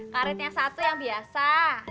karetnya satu yang biasa